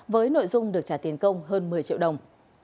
với nội dung được trả tiền công hơn một mươi triệu đồng